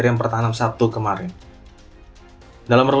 saya berterima kasih kepada anda